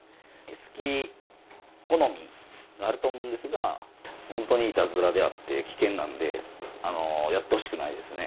好き好みがあると思うんですが、本当にいたずらであって、危険なんで、やってほしくないですね。